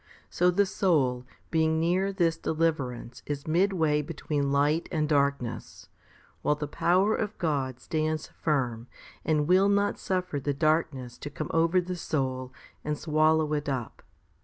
So the soul being near this deliver ance is midway between light and darkness, while the power of God stands firm and will not suffer the darkness to come over the soul and swallow it up.